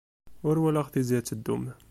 Ur walaɣ tizi ad tdum.